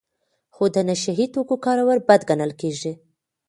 خو د نشه یي توکو کارول بد ګڼل کیږي.